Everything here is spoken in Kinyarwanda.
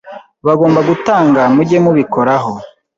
bagomba gutanga, mujye mubikoraho